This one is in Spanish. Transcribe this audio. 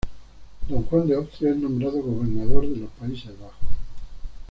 Don Juan de Austria es nombrado gobernador de los Países Bajos.